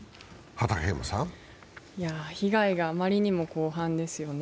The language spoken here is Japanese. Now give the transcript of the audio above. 被害があまりにも広範ですよね。